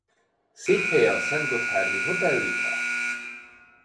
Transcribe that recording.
Székhelye a szentgotthárdi Hotel Lipa.